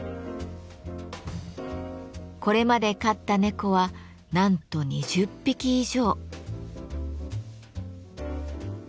これまで飼った猫はなんと２０匹以上。